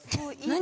何？